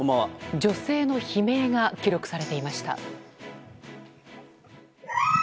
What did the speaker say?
女性の悲鳴が記録されていました。